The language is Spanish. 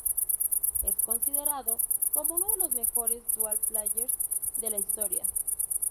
Es considerado como uno de los mejores "dual players" de la historia.